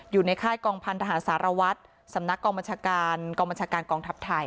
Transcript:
อยู่ในค่ายกองพันธหารสารวัตรสำนักกองบัญชาการกองบัญชาการกองทัพไทย